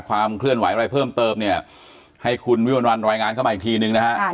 ความเคลื่อนไหวอะไรเพิ่มเติมเนี่ยให้คุณวิมวลวันรายงานเข้ามาอีกทีนึงนะฮะ